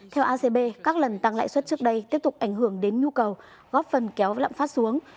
theo acb các lần tăng lãi suất trước đây tiếp tục ảnh hưởng đến nhu cầu góp phần kéo lạm phát xuống